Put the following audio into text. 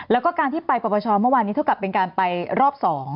แล้วก็การที่ไปปรปชเมื่อวานนี้เท่ากับเป็นการไปรอบ๒